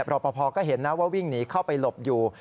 รอปภก็เห็นนะว่าวิ่งหนีเข้าไปหลบอยู่